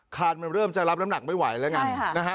คานเริ่มจะรับน้ำหนังไม่ไหวแล้ว